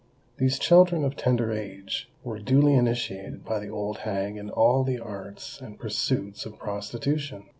These children of tender age were duly initiated by the old hag in all the arts and pursuits of prostitution.